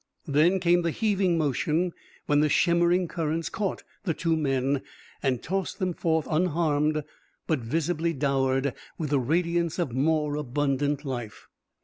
Then came the heaving motion when the shimmering currents caught the two men and tossed them forth unharmed but visibly dowered with the radiance of more abundant life.